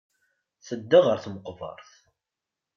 Tedda ɣer tmeqbert.